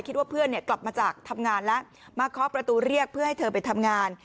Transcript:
คิดว่าเพื่อนกลับมาจากทำงานแล้วมาเคาะประตูเรียกเพื่อให้เธอไปทำงาน